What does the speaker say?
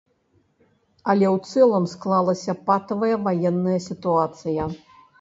Але ў цэлым склалася патавая ваенная сітуацыя.